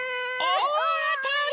おおあたり！